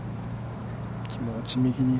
気持ち右に。